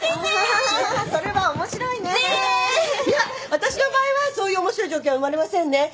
私の場合はそういう面白い状況は生まれませんね。